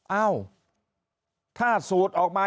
เอ้าถ้าสูตรออกมา